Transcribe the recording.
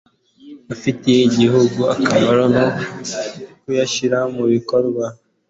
afitiye igihugu akamaro no kuyashyira mu bikorwa